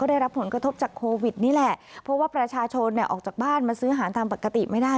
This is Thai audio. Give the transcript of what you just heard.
ได้รับผลกระทบจากโควิดนี่แหละเพราะว่าประชาชนเนี่ยออกจากบ้านมาซื้ออาหารตามปกติไม่ได้